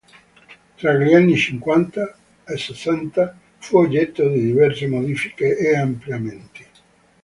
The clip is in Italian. Tra gli anni cinquanta e sessanta fu oggetto di diverse modifiche e ampliamenti.